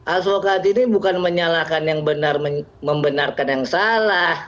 advokat ini bukan menyalahkan yang benar membenarkan yang salah